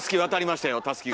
たすきが。